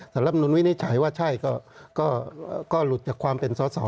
รับนุนวินิจฉัยว่าใช่ก็หลุดจากความเป็นสอสอ